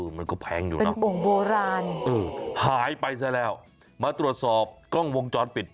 มันก็แพงอยู่นะโอ่งโบราณหายไปซะแล้วมาตรวจสอบกล้องวงจรปิด